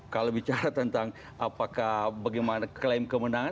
kalau bicara tentang apakah bagaimana klaim kemenangan